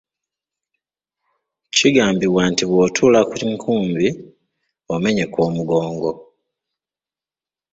Kigambibwa nti bw'otuula ku nkumbi, omenyeka omugongo.